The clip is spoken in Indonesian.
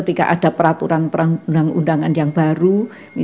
dia hal yang sangat baik